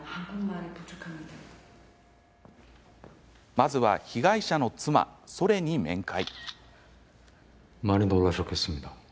まずは被害者の妻、ソレに面会。